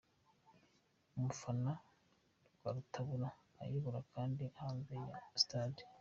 umufana Rwarutabura ayoboye abandi hanze ya stade.